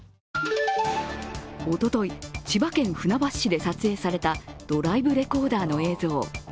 おととい、千葉県船橋市で撮影されたドライブレコーダーの映像。